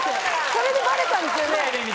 それでバレたんですよね？